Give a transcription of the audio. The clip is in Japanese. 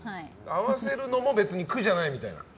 合わせるのも苦じゃないみたいな？